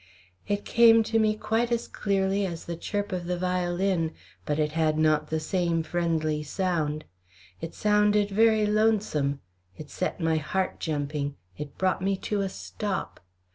It came to me quite as clearly as the chirp of the violin, but it had not the same friendly sound. It sounded very lonesome, it set my heart jumping, it brought me to a stop.